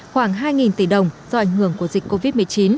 khoảng hai tỷ đồng do ảnh hưởng của dịch covid một mươi chín